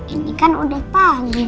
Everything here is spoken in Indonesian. ini kan udah pagi